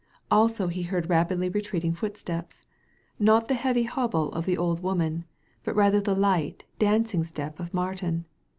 Also he heard rapidly retreating footsteps — not the heavy hobble of the old woman, but rather the light, dancing step of Martin.